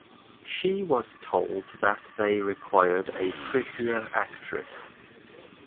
She was told that they required a prettier actress.